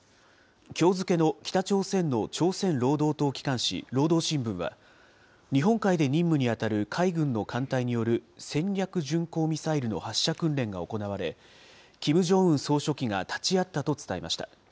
きょう付けの北朝鮮の朝鮮労働党機関紙、労働新聞は、日本海で任務に当たる海軍の艦隊による戦略巡航ミサイルの発射訓練が行われ、キム・ジョンウン総書記が立ち会ったと伝えました。